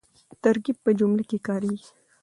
ترکیب په جمله کښي کاریږي.